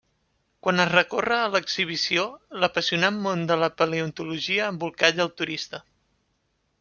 Quan es recorre l'exhibició, l'apassionant món de la paleontologia embolcalla el turista.